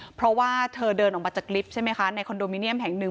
เพราะว่าเธอเดินออกมาจากลิฟต์ใช่ไหมคะในคอนโดมิเนียมแห่งหนึ่ง